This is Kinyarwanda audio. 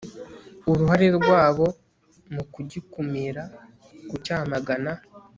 uruhare rwabo mu kugikumira, kucyamagana